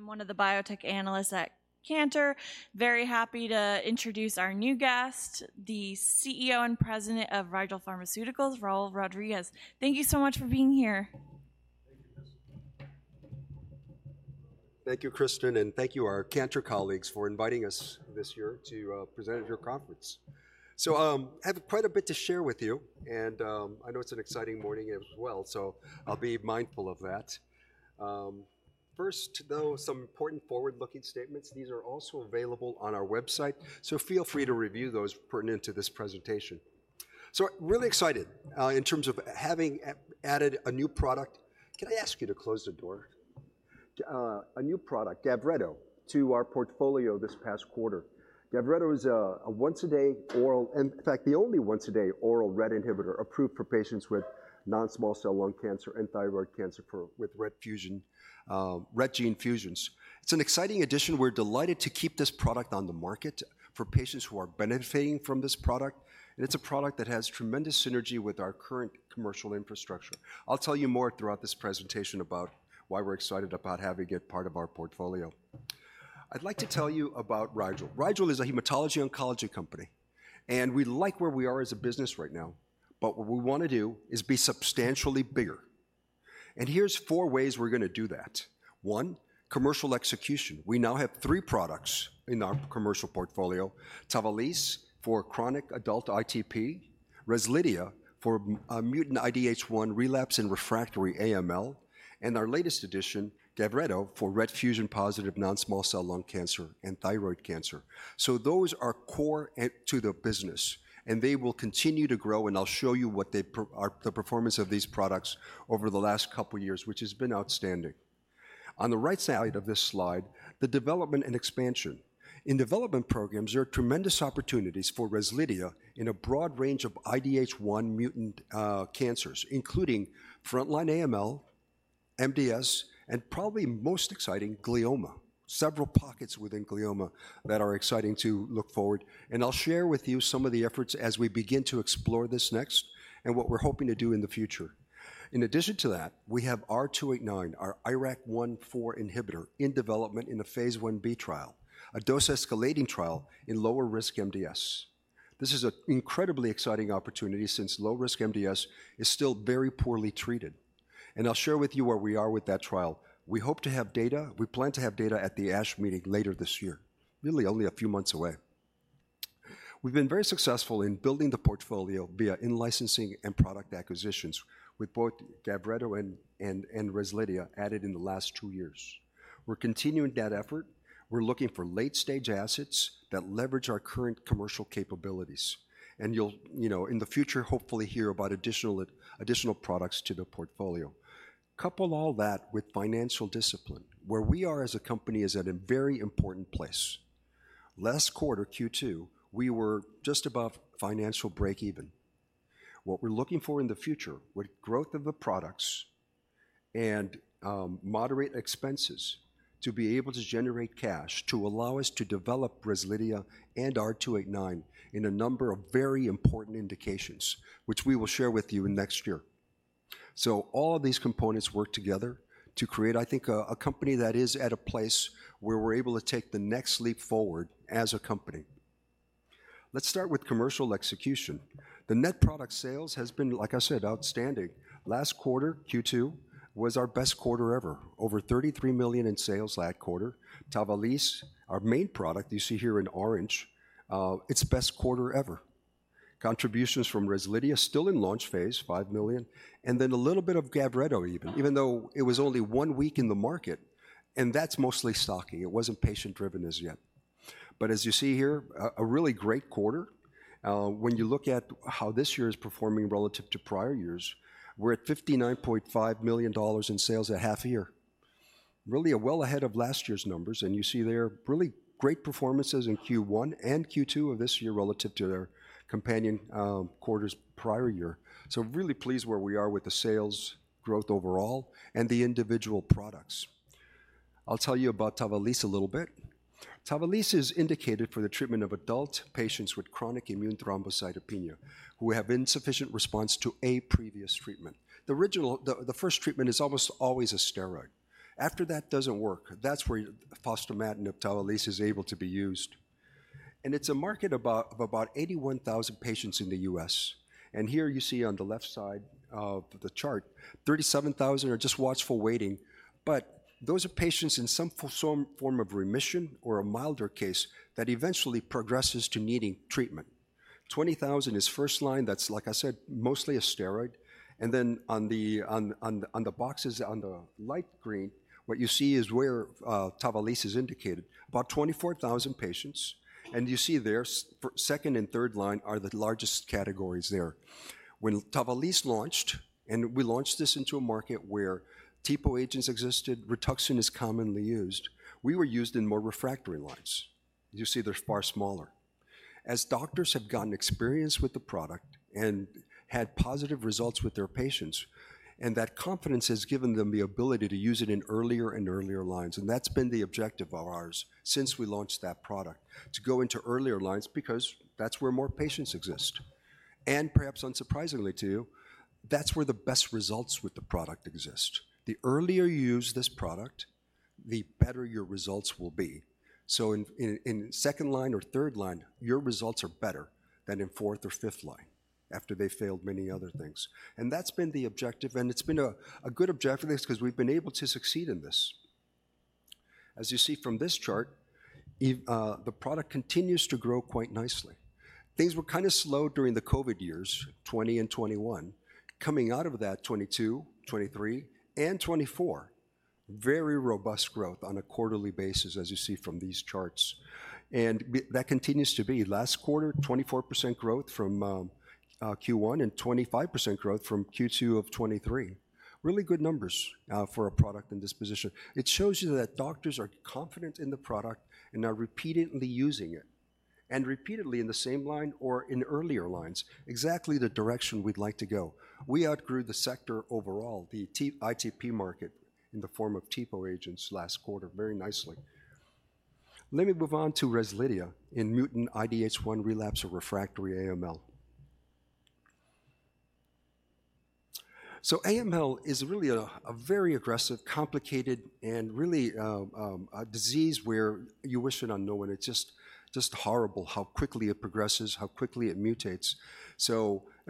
I'm one of the biotech analysts at Cantor. Very happy to introduce our new guest, the CEO and President of Rigel Pharmaceuticals, Raul Rodriguez. Thank you so much for being here. Thank you, Kristen. Thank you, Kristen, and thank you, our Cantor colleagues, for inviting us this year to present at your conference. So, I have quite a bit to share with you, and, I know it's an exciting morning as well, so I'll be mindful of that. First, though, some important forward-looking statements. These are also available on our website, so feel free to review those pertinent to this presentation. Really excited in terms of having added a new product. Can I ask you to close the door? A new product, Gavreto, to our portfolio this past quarter. Gavreto is a once-a-day oral, in fact, the only once-a-day oral RET inhibitor approved for patients with non-small cell lung cancer and thyroid cancer for, with RET fusion, RET gene fusions. It's an exciting addition. We're delighted to keep this product on the market for patients who are benefiting from this product, and it's a product that has tremendous synergy with our current commercial infrastructure. I'll tell you more throughout this presentation about why we're excited about having it part of our portfolio. I'd like to tell you about Rigel. Rigel is a hematology oncology company, and we like where we are as a business right now, but what we want to do is be substantially bigger, and here's four ways we're going to do that. One, commercial execution. We now have three products in our commercial portfolio: Tavalisse for chronic adult ITP, Rezlidhia for mutant IDH1 relapsed and refractory AML, and our latest addition, Gavreto, for RET fusion-positive non-small cell lung cancer and thyroid cancer. So those are core assets to the business, and they will continue to grow, and I'll show you the performance of these products over the last couple of years, which has been outstanding. On the right side of this slide, the development and expansion. In development programs, there are tremendous opportunities for Rezlidhia in a broad range of IDH1 mutant cancers, including frontline AML, MDS, and probably most exciting, glioma. Several pockets within glioma that are exciting to look forward, and I'll share with you some of the efforts as we begin to explore this next, and what we're hoping to do in the future. In addition to that, we have R289, our IRAK1/4 inhibitor, in development in a Phase 1b trial, a dose-escalating trial in lower-risk MDS. This is an incredibly exciting opportunity since low-risk MDS is still very poorly treated, and I'll share with you where we are with that trial. We hope to have data, we plan to have data at the ASH meeting later this year, really only a few months away. We've been very successful in building the portfolio via in-licensing and product acquisitions, with both Gavreto and Rezlidhia added in the last two years. We're continuing that effort. We're looking for late-stage assets that leverage our current commercial capabilities, and you'll, you know, in the future, hopefully hear about additional products to the portfolio. Couple all that with financial discipline. Where we are as a company is at a very important place. Last quarter, Q2, we were just above financial break even. What we're looking for in the future, with growth of the products and moderate expenses, to be able to generate cash, to allow us to develop Rezlidhia and R289 in a number of very important indications, which we will share with you in next year, so all of these components work together to create, I think, a company that is at a place where we're able to take the next leap forward as a company. Let's start with commercial execution. The net product sales has been, like I said, outstanding. Last quarter, Q2, was our best quarter ever. Over $33 million in sales last quarter. Tavalisse, our main product, you see here in orange, its best quarter ever. Contributions from Rezlidhia, still in launch phase, $5 million, and then a little bit of Gavreto even, even though it was only one week in the market, and that's mostly stocking. It wasn't patient-driven as yet, but as you see here, a really great quarter. When you look at how this year is performing relative to prior years, we're at $59.5 million in sales at half a year. Really, well ahead of last year's numbers, and you see there, really great performances in Q1 and Q2 of this year relative to their companion quarters prior year, so really pleased where we are with the sales growth overall and the individual products. I'll tell you about Tavalisse a little bit. Tavalisse is indicated for the treatment of adult patients with chronic immune thrombocytopenia, who have insufficient response to a previous treatment. The original, the first treatment is almost always a steroid. After that doesn't work, that's where fostamatinib, Tavalisse, is able to be used. And it's a market about of about 81,000 patients in the US. And here you see on the left side of the chart, 37,000 are just watchful waiting, but those are patients in some form of remission or a milder case that eventually progresses to needing treatment. 20,000 is first line, that's, like I said, mostly a steroid. And then on the boxes, on the light green, what you see is where Tavalisse is indicated, about 24,000 patients. And you see there, second and third line are the largest categories there. When Tavalisse launched, and we launched this into a market where TPO agents existed, Rituxan is commonly used, we were used in more refractory lines. You see they're far smaller. As doctors have gotten experience with the product and had positive results with their patients, and that confidence has given them the ability to use it in earlier and earlier lines, and that's been the objective of ours since we launched that product: to go into earlier lines because that's where more patients exist. And perhaps unsurprisingly to you, that's where the best results with the product exist. The earlier you use this product, the better your results will be. So in second line or third line, your results are better than in fourth or fifth line, after they failed many other things. And that's been the objective, and it's been a good objective because we've been able to succeed in this. As you see from this chart, the product continues to grow quite nicely. Things were kinda slow during the COVID years, 2020 and 2021. Coming out of that, 2022, 2023, and 2024, very robust growth on a quarterly basis, as you see from these charts. That continues to be. Last quarter, 24% growth from Q1, and 25% growth from Q2 of 2023. Really good numbers for a product in this position. It shows you that doctors are confident in the product and are repeatedly using it, and repeatedly in the same line or in earlier lines, exactly the direction we'd like to go. We outgrew the sector overall, the ITP market, in the form of TPO agents last quarter, very nicely. Let me move on to Rezlidhia in mutant IDH1 relapsed or refractory AML. AML is really a very aggressive, complicated, and really a disease where you wish it on no one. It's just, just horrible how quickly it progresses, how quickly it mutates. There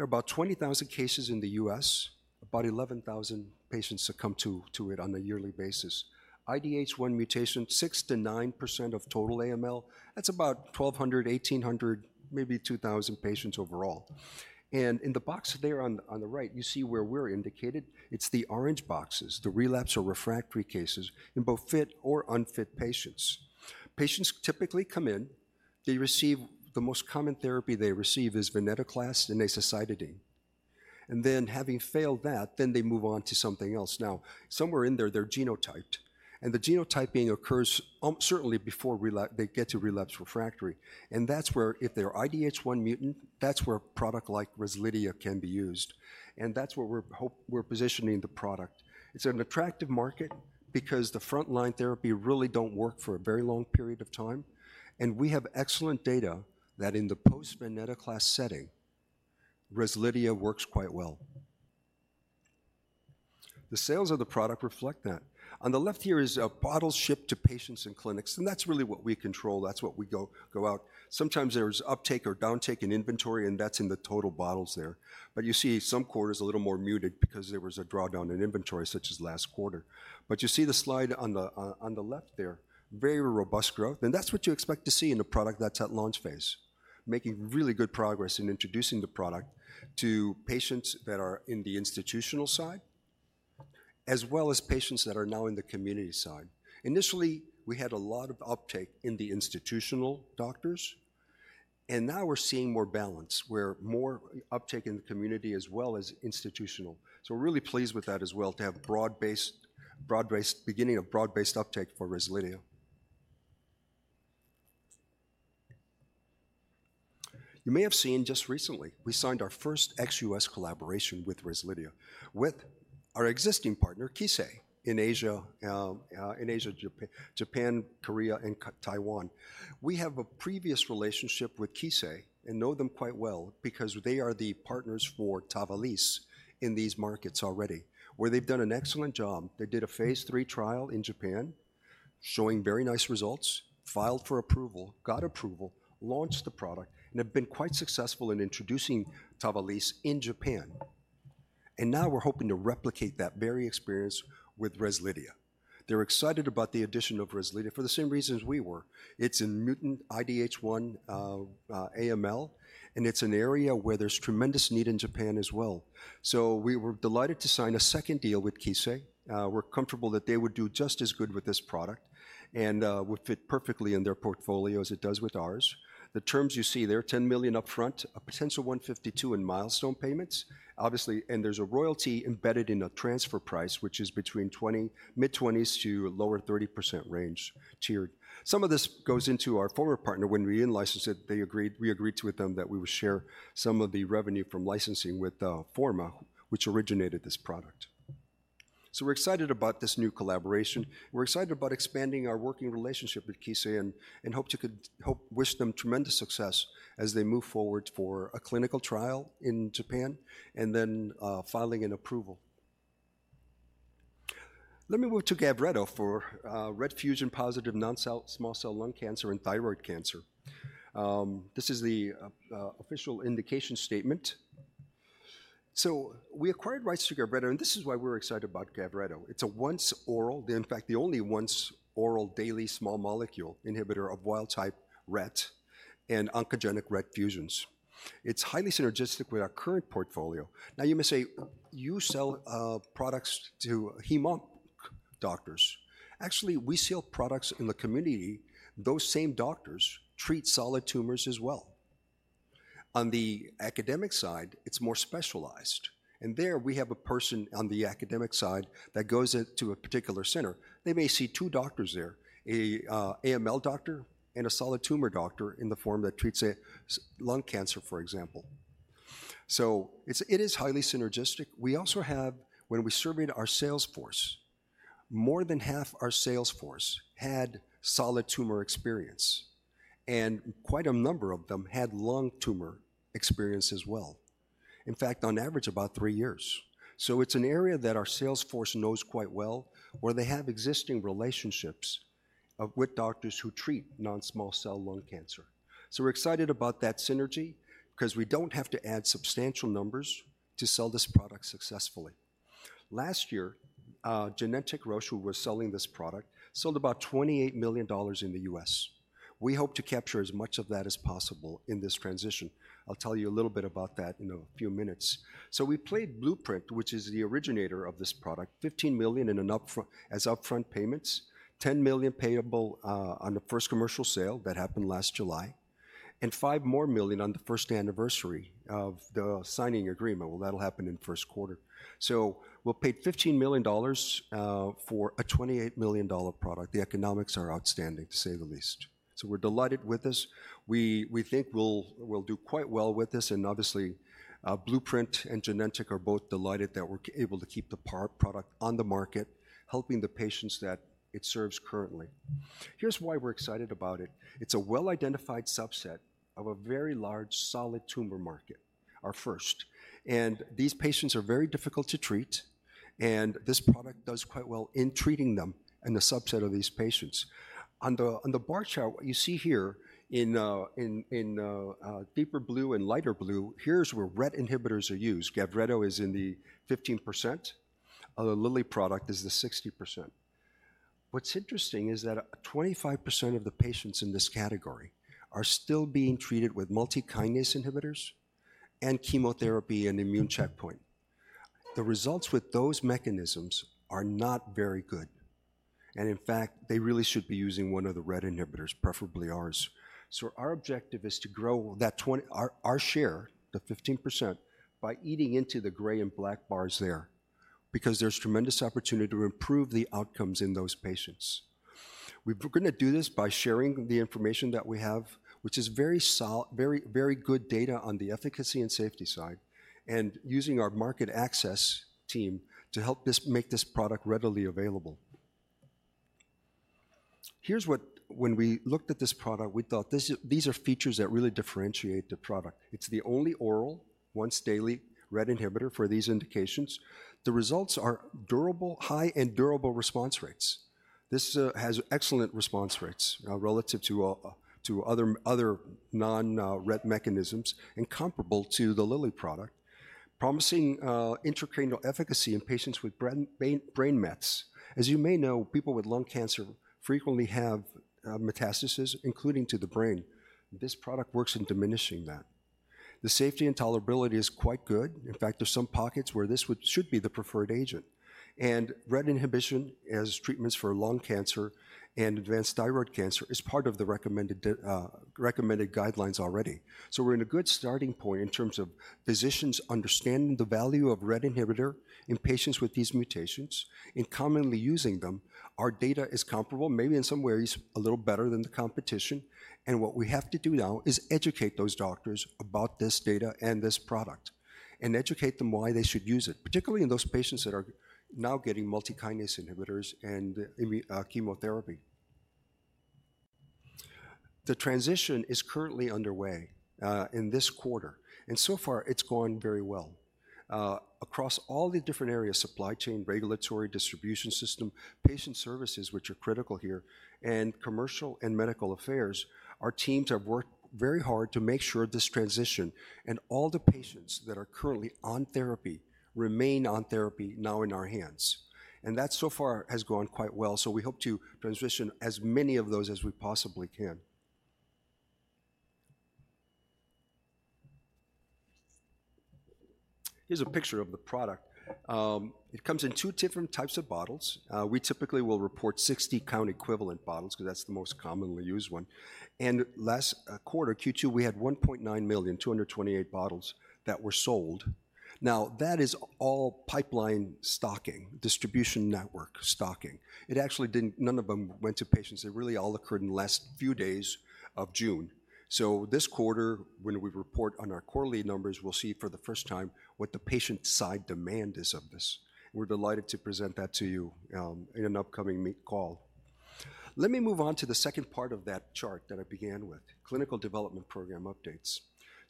are about 20,000 cases in the U.S., about 11,000 patients succumb to it on a yearly basis. IDH1 mutation, 6%-9% of total AML, that's about 1,200-1,800, maybe 2,000 patients overall. And in the box there on the right, you see where we're indicated. It's the orange boxes, the relapsed or refractory cases in both fit or unfit patients. Patients typically come in, they receive... The most common therapy they receive is venetoclax and azacitidine, and then, having failed that, then they move on to something else. Now, somewhere in there, they're genotyped, and the genotyping occurs, certainly before they get to relapse refractory, and that's where, if they're IDH1 mutant, that's where a product like Rezlidhia can be used, and that's where we're positioning the product. It's an attractive market because the frontline therapy really don't work for a very long period of time, and we have excellent data that in the post-venetoclax setting, Rezlidhia works quite well. The sales of the product reflect that. On the left here is bottles shipped to patients and clinics, and that's really what we control. That's what we go out. Sometimes there's uptake or downtake in inventory, and that's in the total bottles there. But you see some quarters a little more muted because there was a drawdown in inventory, such as last quarter. But you see the slide on the left there, very robust growth, and that's what you expect to see in a product that's at launch phase. Making really good progress in introducing the product to patients that are in the institutional side, as well as patients that are now in the community side. Initially, we had a lot of uptake in the institutional doctors, and now we're seeing more balance, where more uptake in the community as well as institutional. So we're really pleased with that as well, to have broad-based beginning of broad-based uptake for Rezlidhia. You may have seen just recently, we signed our first ex-US collaboration with Rezlidhia, with our existing partner, Kissei, in Asia, Japan, Korea, and Taiwan. We have a previous relationship with Kissei and know them quite well because they are the partners for Tavalisse in these markets already, where they've done an excellent job. They did a Phase 3 trial in Japan, showing very nice results, filed for approval, got approval, launched the product, and have been quite successful in introducing Tavalisse in Japan. And now we're hoping to replicate that very experience with Rezlidhia. They're excited about the addition of Rezlidhia for the same reason as we were. It's in mutant IDH1, AML, and it's an area where there's tremendous need in Japan as well. So we were delighted to sign a second deal with Kissei. We're comfortable that they would do just as good with this product and would fit perfectly in their portfolio as it does with ours. The terms you see there, $10 million upfront, a potential $152 million in milestone payments, obviously, and there's a royalty embedded in a transfer price, which is between 20%, mid-twenties to lower 30% range tiered. Some of this goes into our former partner. When we in-licensed it, they agreed, we agreed to with them that we would share some of the revenue from licensing with Forma, which originated this product. So we're excited about this new collaboration. We're excited about expanding our working relationship with Kissei and hope to wish them tremendous success as they move forward for a clinical trial in Japan and then filing an approval. Let me move to Gavreto for RET fusion-positive non-small cell lung cancer and thyroid cancer. This is the official indication statement. So we acquired rights to Gavreto, and this is why we're excited about Gavreto. It's a once-daily oral, in fact, the only once-daily oral small molecule inhibitor of wild-type RET and oncogenic RET fusions. It's highly synergistic with our current portfolio. Now, you may say, "You sell products to hemonc doctors." Actually, we sell products in the community. Those same doctors treat solid tumors as well. On the academic side, it's more specialized, and there we have a person on the academic side that goes into a particular center. They may see two doctors there, a AML doctor and a solid tumor doctor in the form that treats lung cancer, for example. So it is highly synergistic. We also have... When we surveyed our sales force, more than half our sales force had solid tumor experience. And quite a number of them had lung tumor experience as well. In fact, on average, about three years. So it's an area that our sales force knows quite well, where they have existing relationships with doctors who treat non-small cell lung cancer. So we're excited about that synergy, 'cause we don't have to add substantial numbers to sell this product successfully. Last year, Genentech Roche, who was selling this product, sold about $28 million in the U.S. We hope to capture as much of that as possible in this transition. I'll tell you a little bit about that in a few minutes. We paid Blueprint, which is the originator of this product, $15 million in upfront payments, $10 million payable on the first commercial sale that happened last July, and $5 million on the first anniversary of the signing agreement. That'll happen in the first quarter. We'll pay $15 million for a $28 million product. The economics are outstanding, to say the least. We're delighted with this. We think we'll do quite well with this, and obviously, Blueprint and Genentech are both delighted that we're able to keep the product on the market, helping the patients that it serves currently. Here's why we're excited about it. It's a well-identified subset of a very large solid tumor market, our first, and these patients are very difficult to treat, and this product does quite well in treating them, and the subset of these patients. On the bar chart, what you see here in deeper blue and lighter blue, here's where RET inhibitors are used. Gavreto is in the 15%, the Lilly product is the 60%. What's interesting is that 25% of the patients in this category are still being treated with multi-kinase inhibitors and chemotherapy and immune checkpoint. The results with those mechanisms are not very good, and in fact, they really should be using one of the RET inhibitors, preferably ours. So our objective is to grow that twenty Our share, the 15%, by eating into the gray and black bars there, because there's tremendous opportunity to improve the outcomes in those patients. We're gonna do this by sharing the information that we have, which is very solid, very good data on the efficacy and safety side, and using our market access team to help this, make this product readily available. Here's what. When we looked at this product, we thought, "This is, these are features that really differentiate the product." It's the only oral, once daily, RET inhibitor for these indications. The results are durable, high and durable response rates. This has excellent response rates relative to other non RET mechanisms, and comparable to the Lilly product. Promising intracranial efficacy in patients with brain mets. As you may know, people with lung cancer frequently have metastasis, including to the brain. This product works in diminishing that. The safety and tolerability is quite good. In fact, there's some pockets where this should be the preferred agent, and RET inhibition as treatments for lung cancer and advanced thyroid cancer is part of the recommended guidelines already, so we're in a good starting point in terms of physicians understanding the value of RET inhibitor in patients with these mutations, and commonly using them. Our data is comparable, maybe in some ways, a little better than the competition, and what we have to do now is educate those doctors about this data and this product, and educate them why they should use it, particularly in those patients that are now getting multi-kinase inhibitors and immunochemotherapy. The transition is currently underway in this quarter, and so far it's going very well. Across all the different areas, supply chain, regulatory distribution system, patient services, which are critical here, and commercial and medical affairs, our teams have worked very hard to make sure this transition and all the patients that are currently on therapy, remain on therapy now in our hands. And that, so far, has gone quite well, so we hope to transition as many of those as we possibly can. Here's a picture of the product. It comes in two different types of bottles. We typically will report sixty-count equivalent bottles, 'cause that's the most commonly used one. And last quarter, Q2, we had 1.928 million bottles that were sold. Now, that is all pipeline stocking, distribution network stocking. It actually didn't. None of them went to patients. It really all occurred in the last few days of June, so this quarter, when we report on our quarterly numbers, we'll see for the first time what the patient side demand is of this. We're delighted to present that to you in an upcoming meet call. Let me move on to the second part of that chart that I began with, clinical development program updates,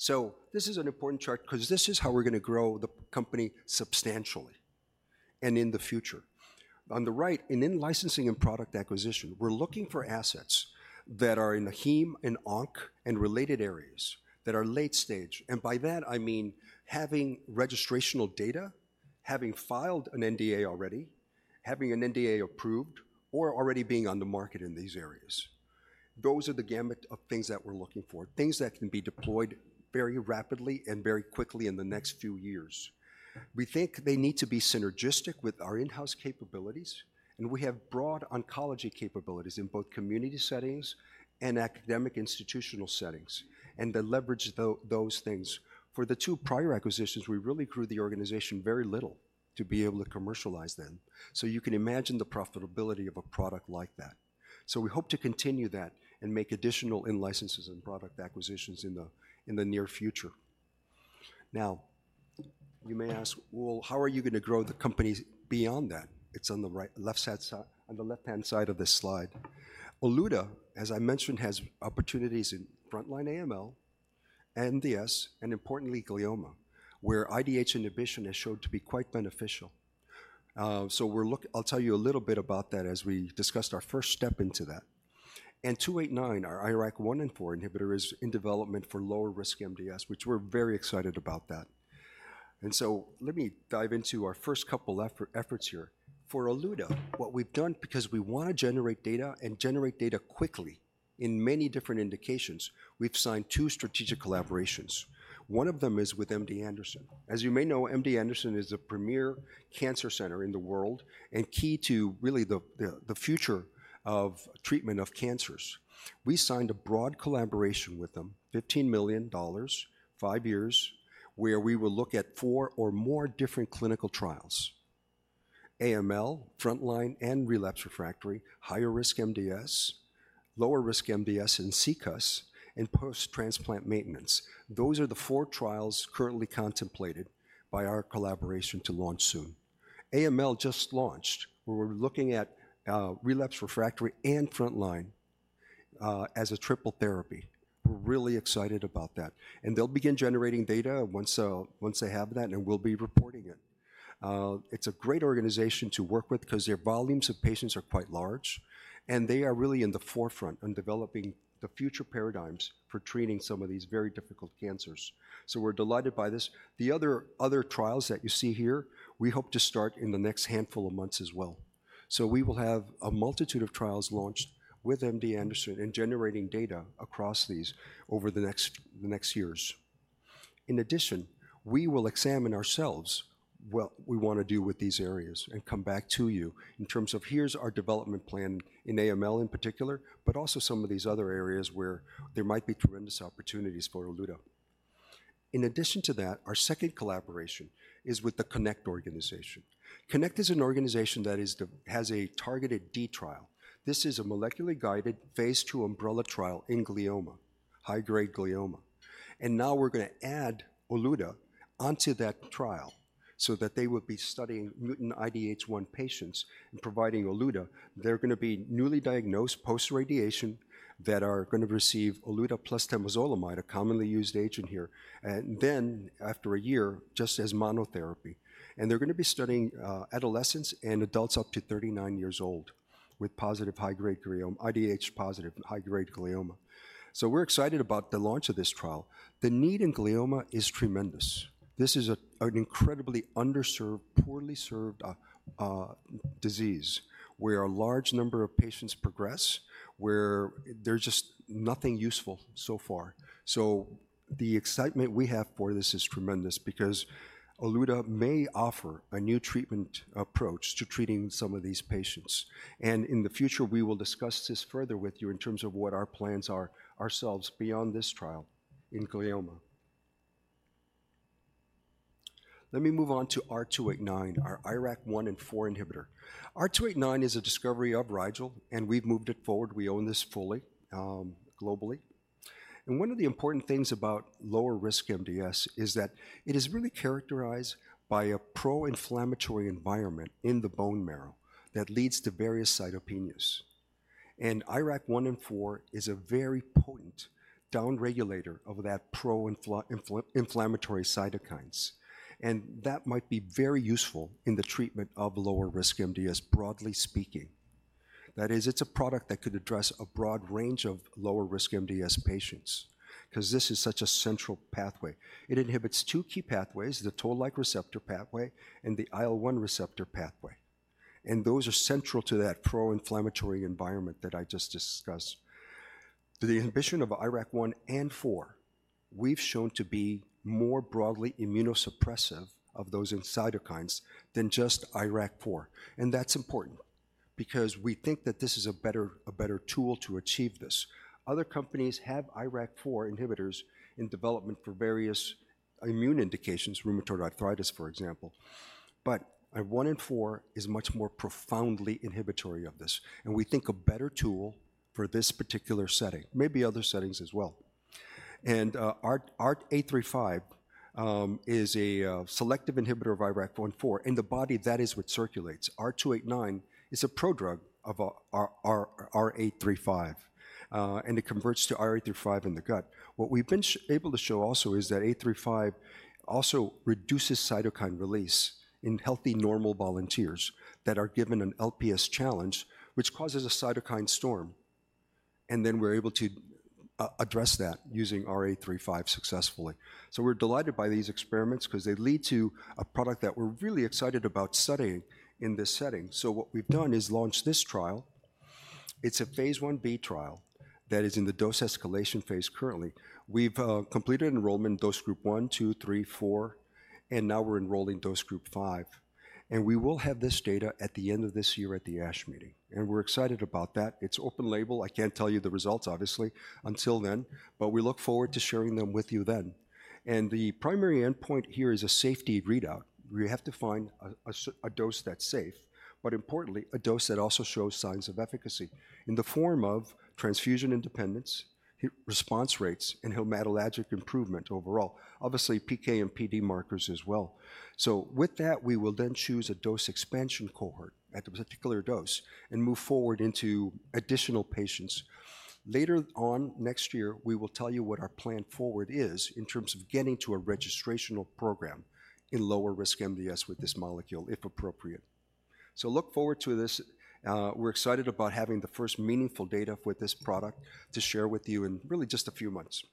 so this is an important chart, 'cause this is how we're gonna grow the company substantially and in the future. On the right, in in-licensing and product acquisition, we're looking for assets that are in the heme and onc, and related areas, that are late stage, and by that, I mean, having registrational data, having filed an NDA already, having an NDA approved, or already being on the market in these areas. Those are the gamut of things that we're looking for, things that can be deployed very rapidly and very quickly in the next few years. We think they need to be synergistic with our in-house capabilities, and we have broad oncology capabilities in both community settings and academic institutional settings, and to leverage those things. For the two prior acquisitions, we really grew the organization very little to be able to commercialize them. So you can imagine the profitability of a product like that. So we hope to continue that and make additional in-licenses and product acquisitions in the near future. Now, you may ask, "Well, how are you going to grow the company beyond that?" It's on the left-hand side of this slide. olutasidenib, as I mentioned, has opportunities in frontline AML, MDS, and importantly, glioma, where IDH inhibition has showed to be quite beneficial. I'll tell you a little bit about that as we discussed our first step into that. R289, our IRAK1/4 inhibitor, is in development for lower-risk MDS, which we're very excited about that. Let me dive into our first couple efforts here. For olutasidenib, what we've done, because we want to generate data and generate data quickly in many different indications, we've signed two strategic collaborations. One of them is with MD Anderson. As you may know, MD Anderson is a premier cancer center in the world and key to really the future of treatment of cancers. We signed a broad collaboration with them, $15 million, five years, where we will look at four or more different clinical trials. AML, frontline and relapse/refractory, higher-risk MDS, lower-risk MDS and CCUS, and post-transplant maintenance. Those are the four trials currently contemplated by our collaboration to launch soon. AML just launched, where we're looking at relapse/refractory and frontline, as a triple therapy. We're really excited about that, and they'll begin generating data once they have that, and we'll be reporting it. It's a great organization to work with 'cause their volumes of patients are quite large, and they are really in the forefront on developing the future paradigms for treating some of these very difficult cancers. So we're delighted by this. The other trials that you see here, we hope to start in the next handful of months as well. So we will have a multitude of trials launched with MD Anderson and generating data across these over the next years. In addition, we will examine for ourselves what we want to do with these areas and come back to you in terms of here's our development plan in AML in particular, but also some of these other areas where there might be tremendous opportunities for olutasidenib. In addition to that, our second collaboration is with the CONNECT organization. CONNECT is an organization that has a targeted trial. This is a molecularly guided, phase two umbrella trial in glioma, high-grade glioma, and now we're going to add olutasidenib onto that trial so that they will be studying mutant IDH1 patients and providing olutasidenib. They're going to be newly diagnosed, post-radiation, that are going to receive olutasidenib plus temozolomide, a commonly used agent here, and then after a year, just as monotherapy, and they're going to be studying adolescents and adults up to 39 years old with IDH-positive high-grade glioma, so we're excited about the launch of this trial. The need in glioma is tremendous. This is an incredibly underserved, poorly served disease, where a large number of patients progress, where there's just nothing useful so far, so the excitement we have for this is tremendous because olutasidenib may offer a new treatment approach to treating some of these patients, and in the future, we will discuss this further with you in terms of what our plans are ourselves beyond this trial in glioma. Let me move on to R289, our IRAK1/4 inhibitor. R289 is a discovery of Rigel, and we've moved it forward. We own this fully, globally. And one of the important things about lower-risk MDS is that it is really characterized by a pro-inflammatory environment in the bone marrow that leads to various cytopenias. And IRAK1/4 is a very potent down regulator of that pro-inflammatory cytokines, and that might be very useful in the treatment of lower-risk MDS, broadly speaking. That is, it's a product that could address a broad range of lower-risk MDS patients 'cause this is such a central pathway. It inhibits two key pathways, the toll-like receptor pathway and the IL-1 receptor pathway, and those are central to that pro-inflammatory environment that I just discussed. The inhibition of IRAK1 and 4, we've shown to be more broadly immunosuppressive of those in cytokines than just IRAK4, and that's important because we think that this is a better tool to achieve this. Other companies have IRAK4 inhibitors in development for various immune indications, rheumatoid arthritis, for example. But IRAK1 and 4 is much more profoundly inhibitory of this, and we think a better tool for this particular setting, maybe other settings as well. And R835 is a selective inhibitor of IRAK1 and 4. In the body, that is what circulates. R289 is a prodrug of R835, and it converts to R835 in the gut. What we've been able to show also is that R835 also reduces cytokine release in healthy, normal volunteers that are given an LPS challenge, which causes a cytokine storm, and then we're able to address that using R835 successfully. So we're delighted by these experiments 'cause they lead to a product that we're really excited about studying in this setting. So what we've done is launch this trial. It's a phase one B trial that is in the dose escalation phase currently. We've completed enrollment in dose group one, two, three, four, and now we're enrolling dose group five. And we will have this data at the end of this year at the ASH meeting, and we're excited about that. It's open label. I can't tell you the results, obviously, until then, but we look forward to sharing them with you then. The primary endpoint here is a safety readout. We have to find a dose that's safe, but importantly, a dose that also shows signs of efficacy in the form of transfusion independence response rates and hematologic improvement overall. Obviously, PK and PD markers as well. So with that, we will then choose a dose expansion cohort at a particular dose and move forward into additional patients. Later on next year, we will tell you what our plan forward is in terms of getting to a registrational program in lower risk MDS with this molecule, if appropriate. So look forward to this. We're excited about having the first meaningful data with this product to share with you in really just a few months.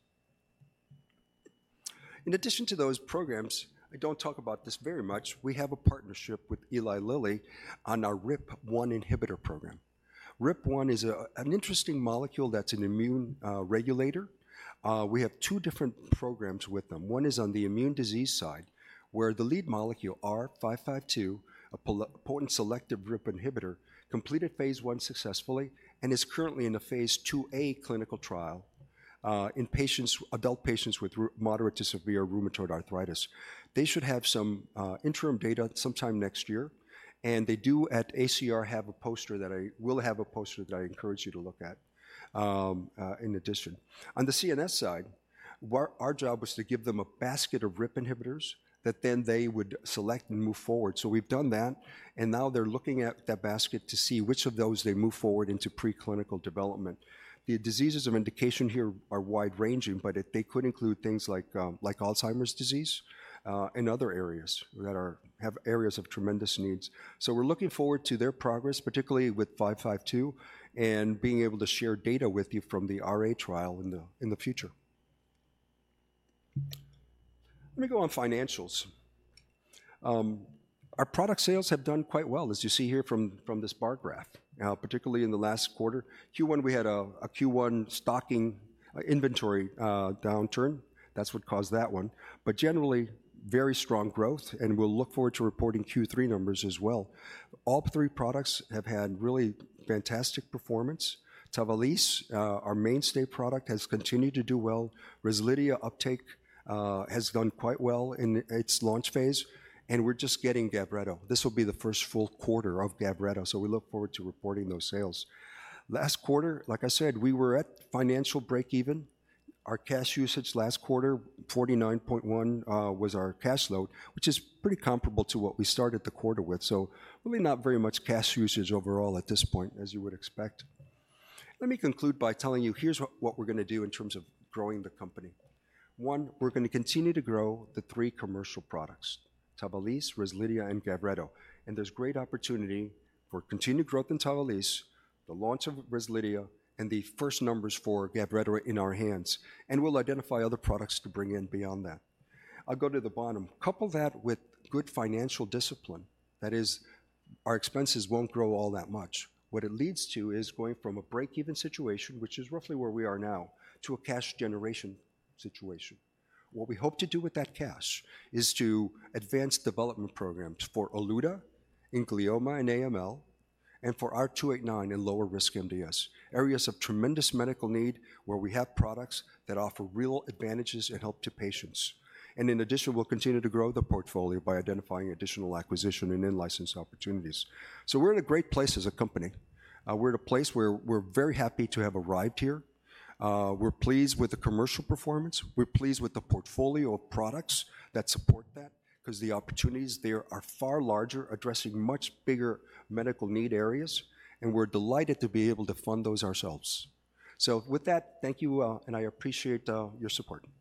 In addition to those programs, I don't talk about this very much, we have a partnership with Eli Lilly on our RIP1 inhibitor program. RIP1 is an interesting molecule that's an immune regulator. We have two different programs with them. One is on the immune disease side, where the lead molecule, R552, a potent selective RIP inhibitor, completed phase 1 successfully and is currently in a Phase 2a clinical trial in patients, adult patients with rheumatoid, moderate to severe rheumatoid arthritis. They should have some interim data sometime next year, and they do at ACR have a poster that I encourage you to look at in addition. On the CNS side, our job was to give them a basket of RIP inhibitors that then they would select and move forward. So we've done that, and now they're looking at that basket to see which of those they move forward into preclinical development. The diseases of indication here are wide-ranging, but they could include things like, like Alzheimer's disease, and other areas that are-- have areas of tremendous needs. So we're looking forward to their progress, particularly with R552, and being able to share data with you from the RA trial in the, in the future. Let me go on financials. Our product sales have done quite well, as you see here from, from this bar graph. Now, particularly in the last quarter, Q1, we had a Q1 stocking, inventory, downturn. That's what caused that one. But generally, very strong growth, and we'll look forward to reporting Q3 numbers as well. All three products have had really fantastic performance. Tavalisse, our mainstay product, has continued to do well. Rezlidhia uptake, has gone quite well in its launch phase, and we're just getting Gavreto. This will be the first full quarter of Gavreto, so we look forward to reporting those sales. Last quarter, like I said, we were at financial break-even. Our cash usage last quarter, 49.1, was our cash flow, which is pretty comparable to what we started the quarter with, so really not very much cash usage overall at this point, as you would expect. Let me conclude by telling you, here's what we're going to do in terms of growing the company. One, we're going to continue to grow the three commercial products, Tavalisse, Rezlidhia, and Gavreto. And there's great opportunity for continued growth in Tavalisse, the launch of Rezlidhia, and the first numbers for Gavreto in our hands. And we'll identify other products to bring in beyond that. I'll go to the bottom. Couple that with good financial discipline, that is, our expenses won't grow all that much. What it leads to is going from a break-even situation, which is roughly where we are now, to a cash generation situation. What we hope to do with that cash is to advance development programs for olutasidenib in glioma and AML, and for R289 in lower risk MDS. Areas of tremendous medical need, where we have products that offer real advantages and help to patients. And in addition, we'll continue to grow the portfolio by identifying additional acquisition and in-license opportunities. So we're in a great place as a company. We're at a place where we're very happy to have arrived here. We're pleased with the commercial performance. We're pleased with the portfolio of products that support that, 'cause the opportunities there are far larger, addressing much bigger medical need areas, and we're delighted to be able to fund those ourselves. So with that, thank you, and I appreciate your support.